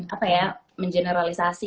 apa ya mengeneralisasi